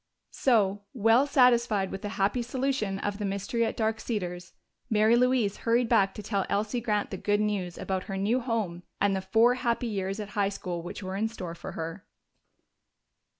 So, well satisfied with the happy solution of the mystery at Dark Cedars, Mary Louise hurried back to tell Elsie Grant the good news about her new home and the four happy years at high school which were in store for her.